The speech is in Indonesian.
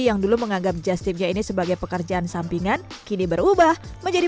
yang dulu menganggap just tipnya ini sebagai pekerjaan sampingan kini berubah menjadi